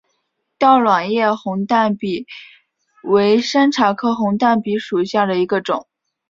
倒卵叶红淡比为山茶科红淡比属下的一个种。